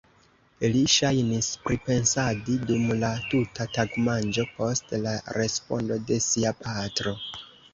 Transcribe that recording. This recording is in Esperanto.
Li ŝajnis pripensadi dum la tuta tagmanĝo post la respondo de sia patro.